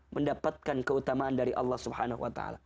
mendapatkan keutamaan dari allah swt